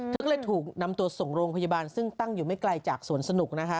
เธอก็เลยถูกนำตัวส่งโรงพยาบาลซึ่งตั้งอยู่ไม่ไกลจากสวนสนุกนะคะ